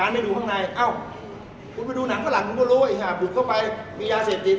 ไปดูข้างในเอ้าคุณไปดูหนังฝรั่งคุณก็รู้อีกบุกเข้าไปมียาเสพติด